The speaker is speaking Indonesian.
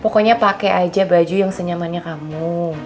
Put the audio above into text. pokoknya pakai aja baju yang senyamannya kamu